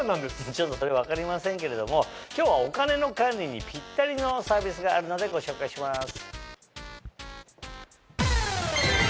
ちょっとそれ分かりませんけれども今日はお金の管理にピッタリのサービスがあるのでご紹介します。